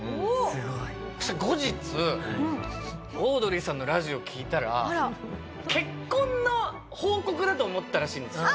すごい。そしたら後日オードリーさんのラジオ聴いたら結婚の報告だと思ったらしいんですよ。